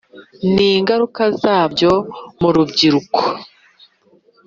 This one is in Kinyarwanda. n’ingaruka zabyo mu rubyiruko,